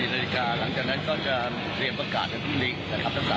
แล้วก็พี่น้องจะได้ฟังได้ให้เร็วที่สุดนะคะว่าฟังไว้ไทยมีอะไร